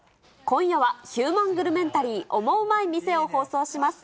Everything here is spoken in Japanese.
今夜は、ヒューマングルメンタリーオモウマい店を放送します。